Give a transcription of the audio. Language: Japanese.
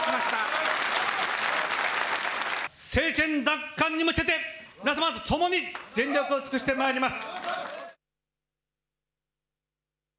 政権奪還に向けて、皆様と共に全力を尽くしてまいります。